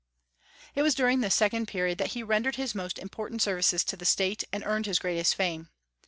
It was during this second period that he rendered his most important services to the State and earned his greatest fame.